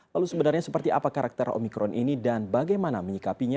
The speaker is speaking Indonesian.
lalu sebenarnya seperti apa karakter omikron ini dan bagaimana menyikapinya